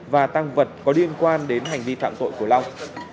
và tăng vật có liên quan đến hành vi phạm tội của long